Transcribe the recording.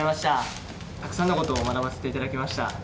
たくさんのことを学ばせていただきました。